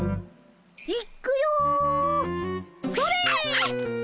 いっくよそれっ！